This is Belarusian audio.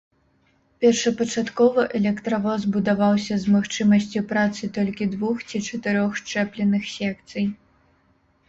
Першапачаткова электравоз будаваўся з магчымасцю працы толькі двух ці чатырох счэпленых секцый.